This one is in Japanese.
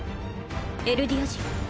エルディア人？